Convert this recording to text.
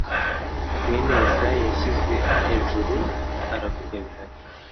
mwene yesayi washyizwe ejuru aravuga biraba